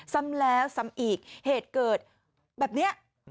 ซ้ำแล้วซ้ำอีกเหตุเกิดแบบนี้